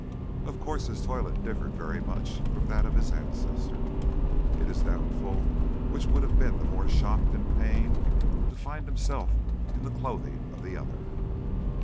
Of course his toilet differed very much from that of his ancestor. It is doubtful which would have been the more shocked and pained to find himself in the clothing of the other.